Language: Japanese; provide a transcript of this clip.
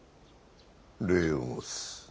礼を申す。